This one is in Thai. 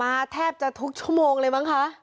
แทบจะทุกชั่วโมงเลยมั้งคะ